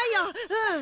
うん！